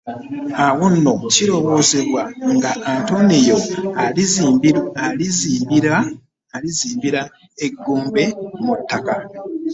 Awo nno kirowoozebwa nga Antonio alimuzimbira e Gombe mu ttaka.